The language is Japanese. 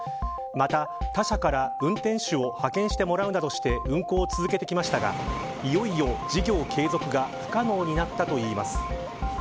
また他社から運転手を派遣してもらうなどして運行を続けてきましたがいよいよ事業継続が不可能になったといいます。